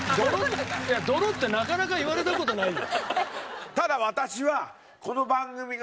泥ってなかなか言われた事ないよ。